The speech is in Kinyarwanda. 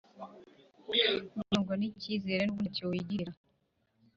jya urangwa n icyizere nubwo ntacyo wigirira